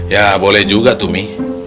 ya boleh juga tuh mi